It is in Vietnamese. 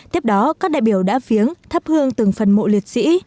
tiếp đó các đại biểu đã viếng thắp hương từng phần mộ liệt sĩ